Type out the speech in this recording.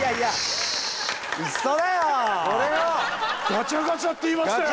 ガチャガチャって言いましたよ！